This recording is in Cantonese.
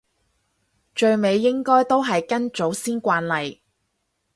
最尾應該都係跟祖先慣例